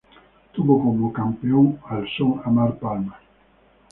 Tuvo como campeón al Son Amar Palma.